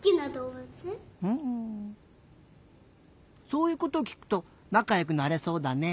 そういうこときくとなかよくなれそうだね。